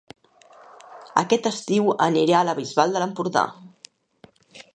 Aquest estiu aniré a La Bisbal d'Empordà